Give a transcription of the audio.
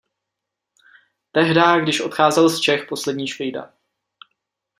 Tehdá, když odcházel z Čech poslední Švejda.